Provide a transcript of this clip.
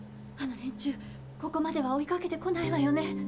あの連中ここまでは追いかけてこないわよね？